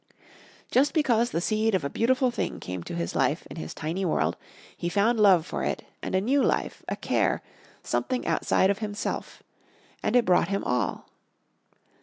Just because the seed of a beautiful thing came to life in his tiny world he found love for it and a new life, a care, something outside of himself. And it brought him all.